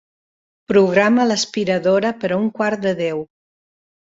Programa l'aspiradora per a un quart de deu.